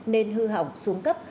nên hư hỏng xuống cấp